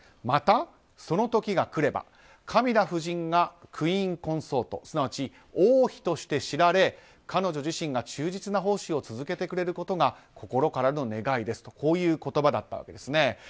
また、その時が来ればカミラ夫人がクイーン・コンソートすなわち王妃として知られ彼女自身が忠実な奉仕を続けてくれることが心からの願いですという言葉だったわけですね。